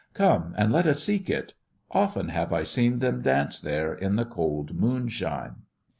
" Come and let us seek it. Often have I seen them dance there in the cold moonshine."